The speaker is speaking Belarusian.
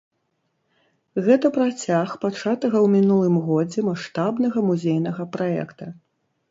Гэта працяг пачатага ў мінулым годзе маштабнага музейнага праекта.